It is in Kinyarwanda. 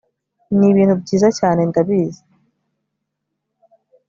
nibintu byiza cyane ndabizi